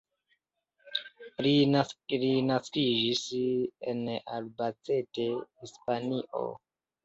Li naskiĝis en Albacete, Hispanio.